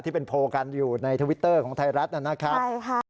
ที่เป็นโพลกันอยู่ในทวิตเตอร์ของไทยรัฐนะครับใช่ค่ะ